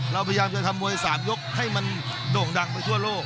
เราพยายามจะทำมวย๓ยกให้มันโด่งดังไปทั่วโลก